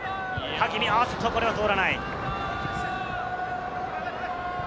ハキミ、これは通らない。